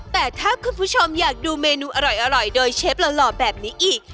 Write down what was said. แต่ถ้าคุณผู้ชมอยากดูเมนูอร่อยโดยเชฟหล่อแบบนี้อีก